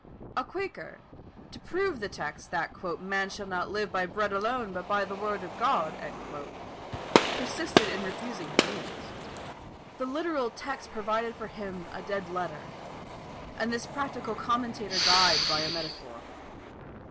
A quaker, to prove the text that "Man shall not live by bread alone, but by the word of God," persisted in refusing his meals. The literal text proved for him a dead letter, and this practical commentator died by a metaphor.